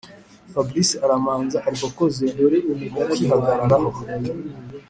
fabric aramanza arikoroza mukwihagararaho